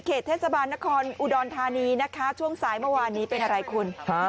เทศบาลนครอุดรธานีนะคะช่วงสายเมื่อวานนี้เป็นอะไรคุณฮะ